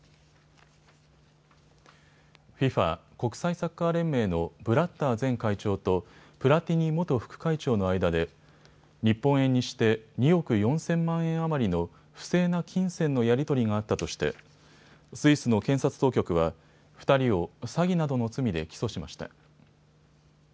ＦＩＦＡ・国際サッカー連盟のブラッター前会長とプラティニ元副会長の間で日本円にして２億４０００万円余りの不正な金銭のやり取りがあったとしてスイスの検察当局は２人を詐欺などの罪で起訴しました。